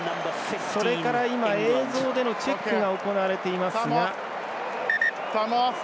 それから今、映像でのチェックが行われていますが。